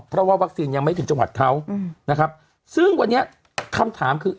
เพราะว่าวัคซีนยังไม่ถึงจังหวัดเขานะครับซึ่งวันนี้คำถามคือ